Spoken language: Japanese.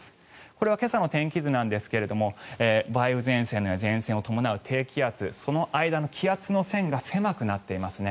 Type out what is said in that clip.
これは今朝の天気図なんですが梅雨前線や前線を伴う低気圧その間の気圧の線が狭くなっていますね。